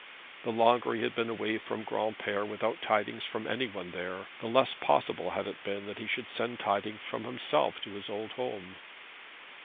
The longer he had been away from Granpere without tidings from any one there, the less possible had it been that he should send tidings from himself to his old home.